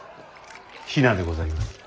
比奈でございます。